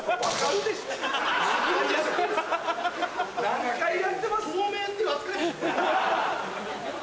何回やってますん？